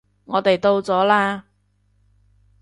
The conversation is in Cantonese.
我哋到咗喇